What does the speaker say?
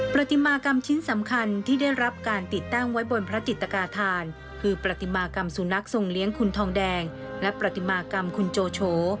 ปฏิมากรรมชิ้นสำคัญที่ได้รับการติดตั้งไว้บนพระจิตกาธานคือปฏิมากรรมสุนัขทรงเลี้ยงคุณทองแดงและประติมากรรมคุณโจโฉ